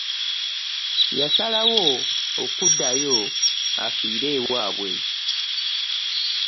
Yasalawo okuddayo affiire ewaabwe.